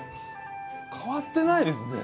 変わってないですね。